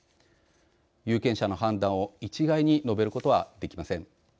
有権者の判断を一概に述べることはできません。